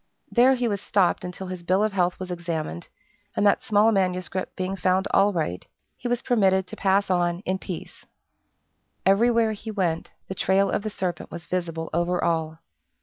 There he was stopped until his bill of health was examined, and that small manuscript being found all right, he was permitted to pass on in peace. Everywhere he went, the trail of the serpent was visible over all.